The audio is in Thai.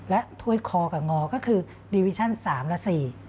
และถ้วยคอกับงอก็คือดิวิชั่น๓ละ๔